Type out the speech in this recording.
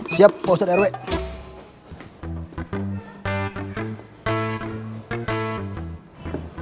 siap pauset rw